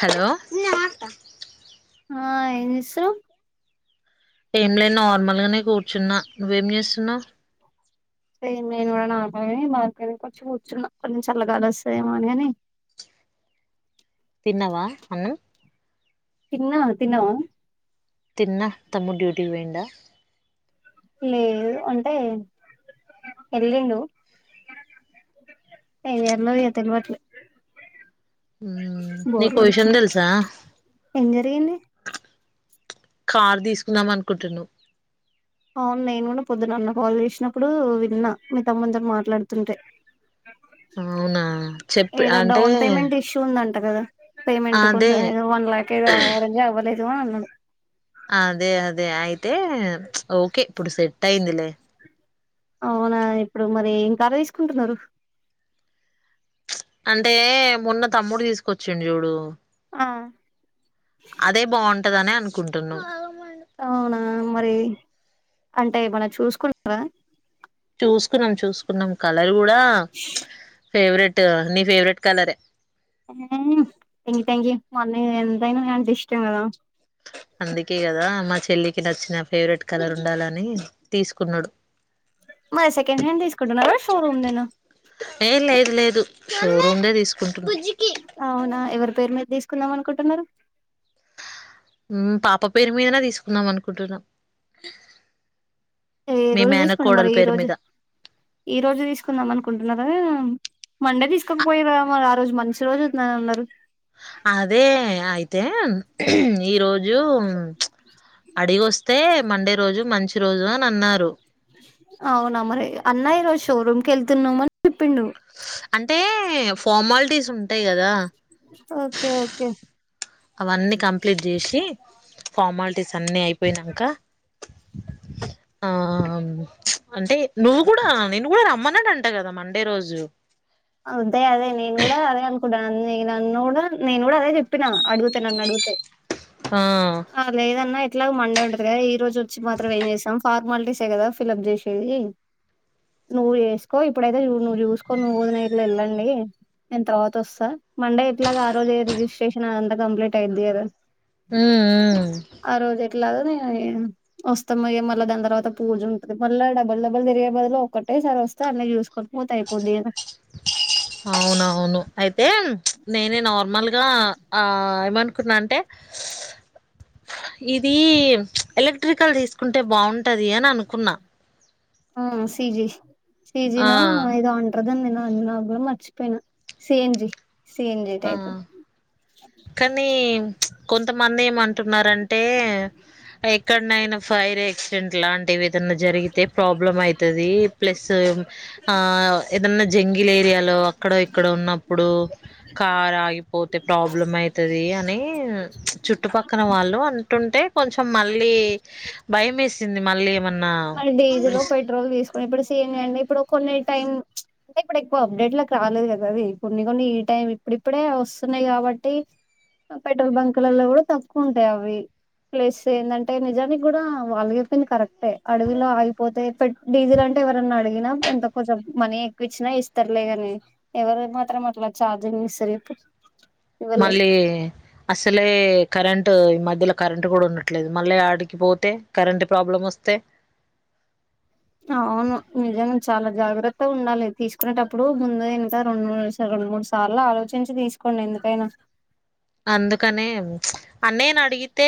Hello ఆ ఏం చేసురు ఏం లే నార్మల్ గనే కూర్చున్నా నువ్వేం చేస్తున్నావు సేమ్ నేను కూడా నార్మల్ గానే బాల్కనీ కొచ్చి కూర్చున్నా కొంచం చల్లగాల వస్తదేమోనని తిన్నవా అన్నం తిన్నా నువ్ తిన్నవ తిన్న తమ్ముడు డ్యూటీ వేండ లేదు అంటే వెల్లిండు ఏం జేయనో ఇగ తెల్వట్లే బోర్ నీకు ఓ విషయం కొడుతుంది తెలుసా ఎం జరిగింది కారు తీసుకుందాం అనుకుంటుండు అవును నేను కూడా పొద్దున అన్న కాల్ చేసినప్పుడు విన్నా మీ తమ్మున్ తోని మాట్లాడుతుంటే అవునా చెప్పి ఏదో అంటే డౌన్ పేమెంట్ ఇష్యూ ఉందన్ ట కదా పేమెంట్ అదే కొంచెం ఏదో వన్ లాక్ ఏదో ఆరెంజ్ అవ్వలేదు అని అన్నాడు అదే అదే అయితే ఓకే ఇప్పుడు సెట్ అయిందిలే అవునా ఇప్పుడు మరి ఇంకా ఏం కారు తీసుకుంటునరు అంటే మొన్న తమ్ముడు తీసుకొచ్చిండు చూడు ఆ అదే బావుంటదనినే అనుకుంటున్నమ్ అవునా మరి అంటే ఏమన్నా చూసుకున్నారా చూసుకున్నాం చూసుకున్నాం కలర్ కూడా ఫేవరెట్ నీ ఫేవరెట్ కలరే హు థ్యాంక్ థ్యాంక్ మా అన్న ఎంతైన ఇష్టం గధ అందుకే కదా మా చెల్లికి నచ్చిన ఫేవరెట్ కలర్ ఉండాలని తీసుకున్నాడు మరి సెకండ్ హ్యాండ్ తీసుకుంటన్నావ షోరూమ్ దెనా ఏ లేదు లేదు షోరూమ్ందే తీసుకుంటున్నా ఏం అనుకుంటున్నారు మ్ పాప పేరు మీదనే తీసుకున్నాం మనుకుంటున్నాం ఈ రోజు తీసుకోండి మరి ఈ రోజు ఈ రోజు తీసుకుందాం అనుకుంటున్నారా మండే తీసుకోకపోయావ మరి ఆ రోజు మంచి రోజుఉందనిఅన్నరు అదే అయితే ఈ రోజూ అడిగొస్తే మండే రోజు మంచి రోజు అని అన్నారు అవున మరి అన్న ఈ షోరూం కెళ్తున్నాం అంటే ఫార్మాలిటీస్ ఉంటాయి కదా ఓకే ఓకే అవన్నీ కంప్లీట్ చేషి ఫార్మాలిటీస్ అన్నీ అయిపోయినాంక ఆ అంటే నువ్వు కూడా నిన్ను కూడా రమ్మన్నాడంట కదా మండే రోజు అదే అదే నేను కూడా అదే అనుకుంటన్నాను నన్ను కూడా నేను కూడా అదే చెప్పిన అడుగుతానున్నడుగు ఆ ఆ లేదన్న ఇట్లాగ మండే ఉంటది కదా ఈ రోజు వచ్చి మాత్రం ఏం చేస్తాం ఫార్మాలిటీసే కదా ఫిలప్ చేసేది నువ్వు ఏసుకో ఇప్పుడైతే చూడు నువ్వు చూసుకో నువ్వు వదిన ఎళ్ళండి నేను తర్వాత వస్తా మండే ఇట్లాగా ఆ రోజు ఏ రిజిస్ట్రేషన్ అదంతా కంప్లీట్ అయిది కదా ఉమ్ ఆ రోజుఎ ట్లా వస్తామయ మళ్ళా దాని తర్వాత పూజ ఉంటుది మళ్ళ డబుల్ డబల్ తిరిగే పదులు ఒక్కటే ఒకేసారి వస్తె అన్నీ చూసుకోని పోతె అయిపోద్ది కదా అవునవును అయితే నేనే నార్మల్గా ఆ ఏమనుకున్నా అంటే ఇదీ ఎలక్ట్రికల్ తీసుకుంటే బావుంటది అని అనుకున్నా ఆ సీజి ఆ ‌సీజినో ఏదో అంట అదాం నా అ నా కూడా మర్చిపోయిన సీ ఎన్ జి ఏం టైపు ఆ కానీ కొంతమంది ఏమంటున్నారంటే ఎక్కడనైనా ఫైర్ యాక్సిడెంట్ లాంటివి ఏదన్నా జరిగితే ప్రాబ్లం అవుతుంది ప్లస్ ఏదన్నా జంగిల్ ఏరియాలో అక్కడ ఇక్కడ ఉన్నప్పుడు కార్ ఆగిపోతే ప్రాబ్లం అయితుది అనీ చుట్టుపక్కన వాళ్ళు అంటుంటే కొంచెం మళ్ళీ భయం వేసింది మళ్ళీ ఏమన్నా మరి డీజిలొ పెట్రోల్ తీసుకుని ఇప్పుడు సీఎన్ జి అండి ఇప్పుడు కొన్ని టైం మ్చ్ అంటే ఇప్పుడు ఎక్కువ అప్డేట్ లొ కి రాలేదు కదా అది కొన్ని కొన్ని ఈ టైం ఇప్పుడిప్పుడే వస్తున్నాయి కాబట్టి కాబట్టి పెట్రోల్ బంక్లలలో కూడా తక్కువ ఉంటాయి అవి ప్లెస్ ఏందంటే నిజానికి కూడా వాళ్ళు చెప్పింది కరెక్టే అడవిలో అగిపోతే డీజిల్ అంటే ఎవరన్నా అడిగినా ఎంత కొంచెం మనీ ఎక్కువ ఇచ్చినా ఇస్తర్లేగాని ఎవరు మాత్రం అట్లా చార్జింగ్ ఇస్తర చెప్పు పు మళ్ళీ అసలే కరెంటు ఈ మధ్య ఇందులో కరెంట్ కూడా ఉండట్లేదు మళ్ళీ ఆడికి పోతే కరెంట్ ప్రాబ్లం వస్తే జాగ్రత్త ఉండాలి తీసుకునేటప్పుడు ముందు ఎనక రెండు రెండుమూడు సార్లు ఆలోచించి తీసుకోండిఎందు కైనా అందుకనే అన్నయ్యనడు అడిగితే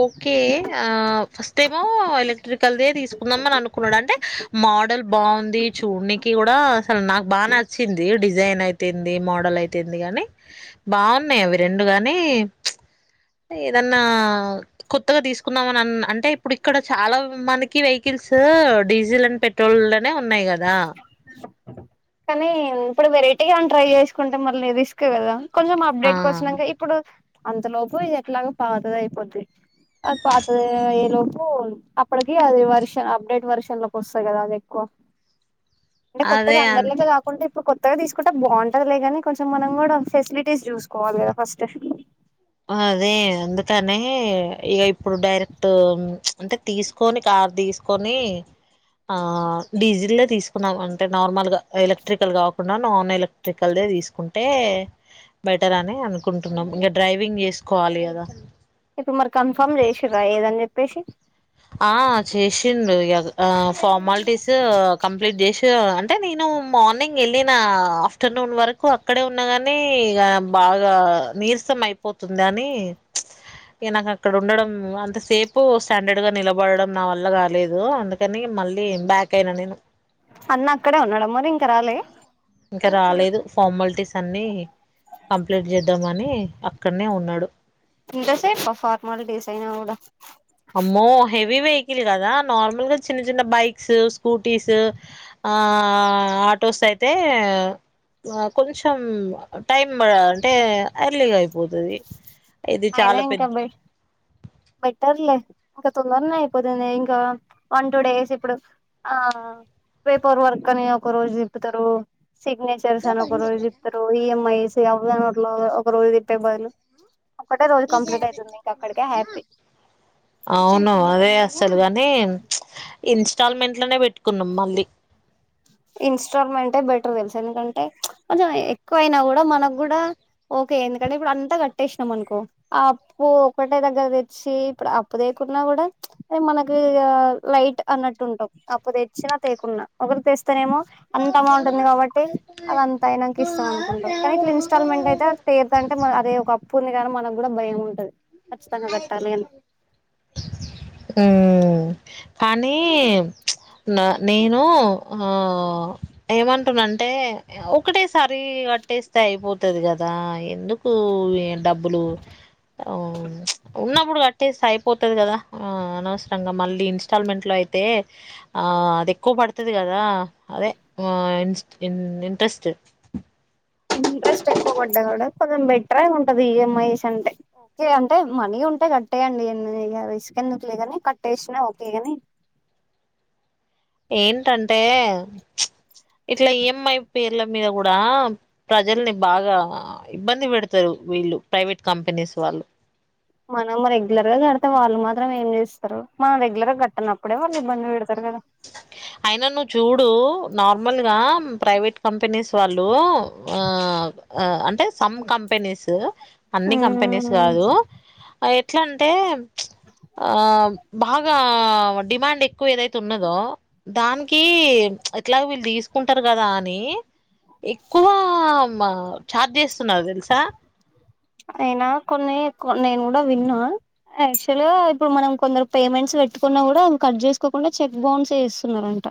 ఓకే ఆ ఫస్ట్ ఏమో ఎలక్ట్రికల్దే తీసుకుందామని అను కూన డంటే మోడల్ బాగుంది చూడ్నికి కూడా అసలు నాకు బాగా నచ్చింది, డిజైన్ అయితేంది, మోడల్ అయితేందిగ గని బాగున్నాయి అవి రెండు గాని ప్చ్ ఏదన్నా కొత్తగా తీసుకుందామని అన్ అంటే ఇప్పుడు ఇక్కడ చాలా మందికి వెహికిల్ కిల్స్ డీజిల్ అండ్ పెట్రోల్నే ఉన్నయి కదా కానీ ఇప్పుడు వెరైటీగ అని ట్రై చేసుకుంటే మళ్ళీ రిస్క్ కదా కొంచెం ఆ! అప్డేట్కి వచ్చినంక ఇప్పుడు అంతలోపు ఇది ఎట్లాగో పాతది అయిపోద్ది. అది పాతది అయ్యే లోపు అప్పటికి అది వెర్ష అప్డేట్ వర్షన్ లోకి వస్తది కదా అది ఎక్కువ. అంటే కొత్తగా అదే అన్ అందరిలెక్క కాకుంటె ఇప్పుడు కొత్తగా తీసుకుంటే బాగుంటది లేగాని, కొంచెం మనం కూడా ఫెసిలిటీస్ చూసుకోవాలి కదా ఫస్ట్. అదే అందుకనే ఇగ ఇప్పుడు డైరెక్ట్ ప్చ్ అంటే తీసుకొని కా రు తీసుకొని ఆ డీజిల్దే తీసుకున్నాం అంటే నార్మల్ గా ఎలక్ట్రికల్ కాకుండా నాన్ ఎలక్ట్రికల్ దే తీసుకుంటే బెటర్ అని అనుకుంటున్నాం, ఇంగ డ్రైవింగ్ చేసుకోవాలి కదా ఇప్పుడు మరి కన్ఫర్మ్ చేసిర్రా ఏదని చెప్పేసి ఆ చేసిండు ఇగ ఆ ఫార్మాలిటీస్ కంప్లీట్ జేశి అంటే నేను మార్నింగ్ వెళ్ళిన ఆఫ్టర్నూన్ వరకు అక్కడే ఉన్నగని బా బాగా నీరసం అయిపోతుంది అని ప్చ్ ఇగ నాకు అక్కడ ఉండడం అంత సేపు స్టాండర్డ్. గ నిలబడడం నా వల్ల కాలేదు అందుకని మళ్ళీ బ్యాక్ అయినా నేను. అన్న అక్కడే ఉన్నడమరి ఇంక రాలే? ఇక్క రాలేదు ఫార్మాలిటీస్ అన్ని కంప్లీట్ చేద్దామని అక్కన్నే ఉన్నడు. ఇంద సేప ఫార్మాలిటీసైన గుడ అమ్మో హెవీ వెహికల్ కదా, నార్మల్ గా చిన్న చిన్న బైక్స్ స్ స్కూటీస్, ఆ ఆటోస్ అయితే ఆ కొంచెం టైం పడ అంటే అర్లీగా అయిపోతది. ఇది అయినా చాలా ఇంకా పెద్ద బె బెటర్లే. ఇంకా తొందరనే అయిపోతది ఇంకా వన్ టూ డేస్ ఇప్పుడు ఆ పేపర్ వర్క్ అని ఒక రోజు తిప్పుతరు, సిగ్నేచర్స్ అని ఒక రోజు తిప్పుతరు, ఈ ఎమ్ ఐస్ చే అవదామర్లొ ఒక రోజు తిట్టే బదులు ఒకటే రోజు కంప్లీట్ అవుతుంది ఇంక అక్కడికే హ్యాపీ అవును అదే అస్సలు గాని దేన్ ప్చ్ ఇన్స్టాల్ మెంట్ లనే పెట్టుకున్నాం మళ్ళీ ఇన్స్టాల్ మెంటె బెటర్ తెలుస ఎందుకంటే ప్చ్ కొంచెం ఎక్కువయినా కూడా మనకు కూడా ఒకే ఎందుకంటే ఇప్పుడు అంతా కట్టేసినం అనుకో, ఆ అప్పు ఒకటే దగ్గర తెచ్చి ఇప్పు అప్పు తేకున్నా. కూడా మనకి ఇగ లైట్ అన్నట్టు ఉంటాం, అప్పు తెచ్చిన తేకున్నా, ఒకరు తెస్ అంత అమౌంట్ ఉంది కాబట్టి, అదంతయినంక ఇస్తాం అనుకుంటాం, కానీ ఇట్లా ఇన్స్టాల్ మెంట్ అయితే తీరదంట అ అదే ఒక అప్పు ఉంది గదా మనం కూడా భయం ఉంటది ఖచ్చితంగా కట్టాలి అని మ్ కానీ ప్చ్ నా నేను ఆ ఏమంటున్నంటే ఒకటేసారి కట్టేస్తే అయిపోతది కదా ఎందుకు ఈ డబ్బులు. ఓ ప్చ్ ఉన్న ఇప్పుడు కట్టేస్తే అయిపోతది కదా, ఆ అనవసరంగా మళ్ళీ ఇన్స్టాల్మెంట్ లో అయితే. దెక్కువ పడతది కదా అదే ఇన్ ఇంట్రెస్ట్ ఇంట్రెస్ట్ ఎక్కువ పడ్డా కూడా కొంచెం బెట్రే ఉంటది, ఈ ఎం ఐస్ అంటే ఓకే అంటే మనీ ఉంటే కట్టేయండి ఎం ఇగ రిస్క్ ఎందుకులే గని, కట్టేసినా ఓకే గని. [inaudible] ఏంటంటే ప్చ్ ఇట్ల ఈ ఎం ఐ పేర్ల మీద గుడ ప్రజల్ని బాగా ఇబ్బంది పెడతరు. వీళ్ళు ప్రైవేట్ కంపెనీస్ వాళ్ళు మనం రెగ్యులర్ గా కడితే వాళ్ళు మాత్రం ఏం చేస్తరు, మనం రెగ్యులర్ గా కట్టనప్పుడే వాళ్ అయినా నువ్వు చూడు నార్మల్ గా ప్రైవేట్ కంపెనీస్ వాళ్ళు ఆ అంటే సమ్ కంపెనీ సు అన్ని కంపెనీస్ కాదు ఎట్లా అంటే ఆ బాగా డిమాండ్ ఎక్కువ ఎక్కువ ఏదైతే ఉన్నదో దానికి ఎట్లాగ వీళ్ళు తీసుకుంటారు కదా అని ఎక్కువ మ ఛార్జ్ చేస్తున్నారు తెలుసా అయినా కొన్ని కొన్ని నేను కూడా విన్నా యాక్చువల్ గా ఇప్పుడు మనం కొందరు పేమెంట్స్ పెట్టుకున్నా కూడా అవి కట్ చేసుకోకుండా చెక్ బౌన్స్ చేస్తున్నారు అంట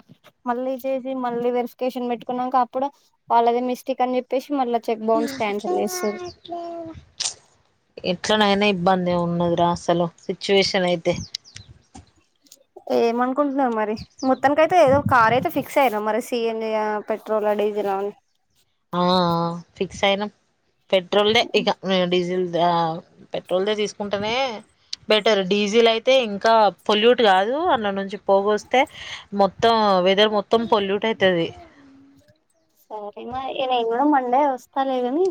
మళ్ళీ చేసి మళ్ళీ వెరిఫికేషన్ పెట్టుకున్నంక అప్పుడు వాళ్ళ దే మిస్టేక్ అని చెప్పేసి మళ్ళ మనకి రాట్లేదా ఎట్లనైనా ఇబ్బంది ఉన్నదిరా అసలు సిచ్యువేషన్ అయితే ఏమనుకుంటున్నావు మరి మొత్తానికి ఐతే ఏదో కార్ అయితే ఫిక్స్ అయిన మరి సిఎన్ జి యా పెట్రోల్ ఆ డీజల్ ఆ ఆ ఫిక్స్ అయినం పెట్రోల్ దే ఇగ డీజిల్ దా పెట్రోల్ దే తీసుకుంటానే బెటర్ డీజిల్ అయితే ఇంకా పొల్యూట్ కాదు అందులో నుంచి పోగొస్తే మొత్తం వెదర్ మొత్తం పొల్యూట్ అయితది సరే మ ఇక నేను కూడా మండే వస్తాలే గని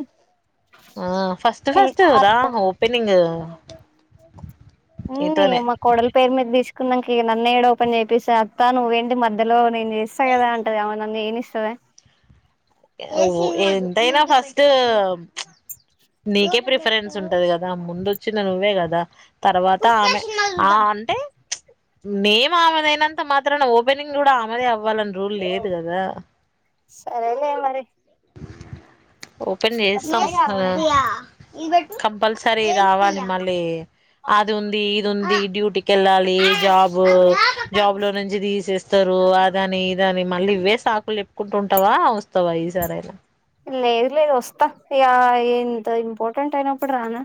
ఆ ఫస్ట్ ఫస్ట్ రా ఓపెనింగ్ ఊ ఇ నీతోనే మా కోడల్ పేరు మీద తీసుకో కున్నంక ఇగ నన్నయాడ ఓపెన్ చెపిస్త అత్త నువ్వేంటి మధ్యలో నేను చేస్తా కదా అంటది ఆమె అ నన్ను చేయినిస్త స్తదా అది ఎంతైనా ఫస్ట్ నీకే ప్రిఫరెన్స్ ఉంటది కదా ముందు వచ్చినది నువ్వే కదా తర్వాత ఆమె ఆ అంటే మేం ఆమెదయినంత మాత్ర నా ఓపెనింగ్ కూడా ఆమెదే అవ్వ వాళ్ళని రోజులు లేదు కదా సరే లే మరి ఓపెన్ చేస్తాం వస్తాయిగా రోజు ఆ కంపల్సరీ కావాలి మళ్ళీ అది ఉంది ఇది ఉంది డ్యూటీకి వెళ్ళాలి జాబ్ జాబ్ లో నుంచి తీసేస్తారు అదాని ఇదని మళ్ళీ ఇవే సాకులు చెప్పుకుంటు ఉంటదా వస్తాదా ఈ సారి అయి లేదు లేదు వస్తా ఇగ ఇంత ఇంపార్టెంట్ అయినప్పుడు రానా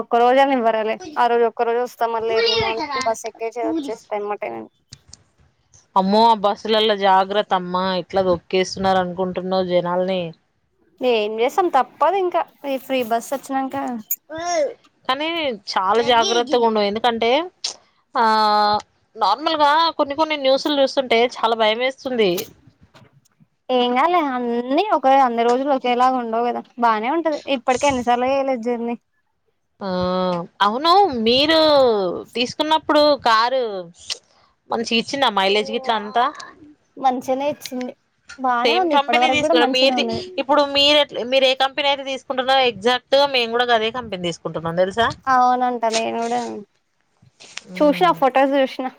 ఒక్క రోజు పరవాలే ఆ రోజు ఒక్క రోజు వస్తా మళ్ళ ఎర్లీ మార్నింగ్ బస్ ఎక్కే చి వచ్చేస్తా అనమాట నేను అమ్మో ఆ బస్సులలో జాగ్రత్త అమ్మా ఎట్ల తోక్కేస్తున్నారు అనుకుంటున్నావు జనాల్ని ఎమ్ చేసాం తప్పదు ఇంకా మీ ఫ్రీ బస్ వచ్చినంకా కానీ నేన్ చాలా జాగ్రత్తగా ఉండు ఎందుకంటే ఆ నార్మల్ గా కొన్ని కొన్ని న్యూస్లు చూస్ చుస్తుంటే చాలా భయం వేస్తుంది ఏం కాలే అన్ని ఒక అన్ని రోజులు ఒకేలాగా ఉండవు కదా బానే ఉంటది ఇప్పటికే ఎన్నిసార్లుగా చెయలేదు జర్నీ ఆ అవును మీరు తీసుకున్నప్పుడు కారు మంచి గా ఇచ్చిందా మైలేజ్ గిట్లా అంతా మంచిగానే ఇచ్చింది బానే సేమ్ ఉంది ఇప్పటి కంపెనీ వరకు కూడా తీసుకు మంచిగానే మీరిది ఉన్నది ఇప్పుడు మీరు మీరు ఏ కంపెనీ అయితే తీసుకుంటున్నారో యాక్సెక్ట్ గా మేము కూడా గదే కంపెనీ తీసుకుంటా అవునంటా నేను కూడ చూసినా ఫొటోస్ చూసినా